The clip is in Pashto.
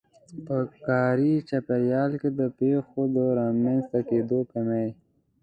په کاري چاپېريال کې د پېښو د رامنځته کېدو کمی.